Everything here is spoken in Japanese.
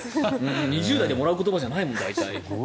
２０代でもらう言葉じゃないもん大体。